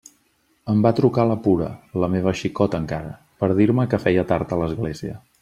Em va trucar la Pura, la meva xicota encara, per dir-me que feia tard a l'església.